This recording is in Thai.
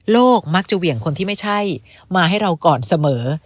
มักจะเหวี่ยงคนที่ไม่ใช่มาให้เราก่อนเสมอ